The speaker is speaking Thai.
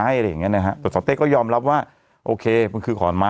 สวัสดีครับคุณผู้ชม